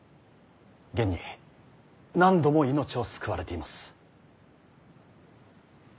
現に何度も命を救われています。